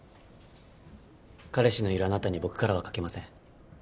彼氏のいるあなたに僕からはかけません。